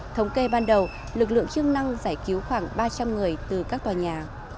thống kê ban đầu lực lượng chức năng giải cứu khoảng ba trăm linh người từ các tòa nhà